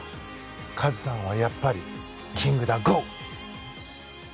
カズさん、やっぱりキングだゴー！